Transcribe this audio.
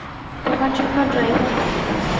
তোমার জন্য ড্রাইভার পাঠাতাম।